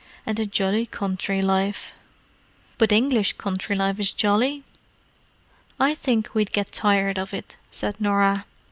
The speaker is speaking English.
And the jolly country life——" "But English country life is jolly." "I think we'd get tired of it," said Norah.